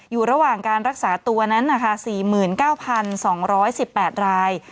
อยู่ระหว่างการรักษาตัวนั้นนะคะ๔๙๒๑๘ราย